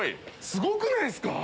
すごくないですか？